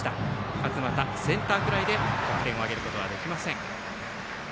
勝亦、センターフライで得点を挙げることはできません。